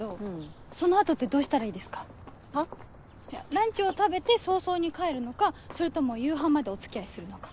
ランチを食べて早々に帰るのかそれとも夕飯までお付き合いするとか。